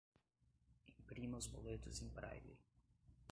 Imprima os boletos em braille